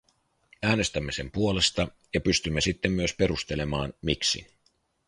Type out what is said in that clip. Äänestämme sen puolesta ja pystymme sitten myös perustelemaan, miksi.